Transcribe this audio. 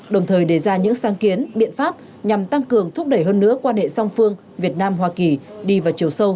đồng thời đề ra những sáng kiến biện pháp nhằm tăng cường thúc đẩy hơn nữa quan hệ song phương việt nam hoa kỳ đi vào chiều sâu